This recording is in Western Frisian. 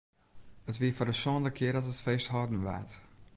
It wie foar de sânde kear dat it feest hâlden waard.